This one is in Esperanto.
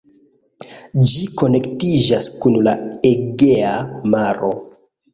Ĝi konektiĝas kun la Egea maro.